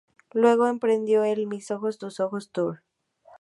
Luego emprendió el, "Mis ojos tus ojos tour".